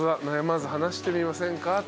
「悩まず話してみませんか」